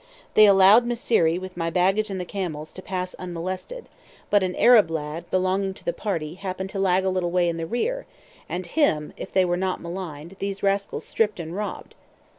They allowed Mysseri with my baggage and the camels to pass unmolested, but an Arab lad belonging to the party happened to lag a little way in the rear, and him (if they were not maligned) these rascals stripped and robbed.